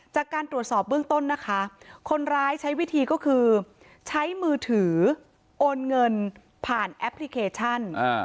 จากการตรวจสอบเบื้องต้นนะคะคนร้ายใช้วิธีก็คือใช้มือถือโอนเงินผ่านแอปพลิเคชัน